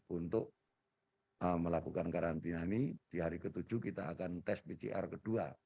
untuk melakukan karantina ini di hari ke tujuh kita akan tes pcr kedua